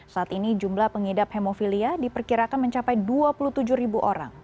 saat ini jumlah pengidap hemofilia diperkirakan mencapai dua puluh tujuh ribu orang